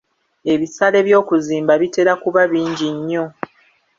Ebisale by'okuzimba bitera kuba bingi nnyo.